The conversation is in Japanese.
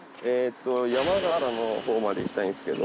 山形のほうまで行きたいんですけど。